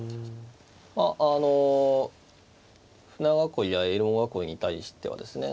まああの舟囲いやエルモ囲いに対してはですね